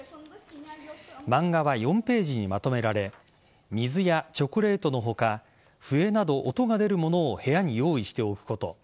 漫画は４ページにまとめられ水やチョコレートの他笛など、音が出る物を部屋に用意しておくこと